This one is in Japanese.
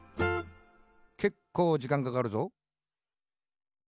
「けっこうじかんかかるぞ。」